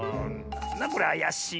なんだこれあやしいなあ。